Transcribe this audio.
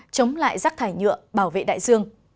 chống lại rác thải nhựa bảo vệ đại dương